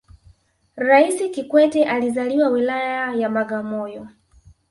raisi kikwete alizaliwa wilaya ya bagamoyo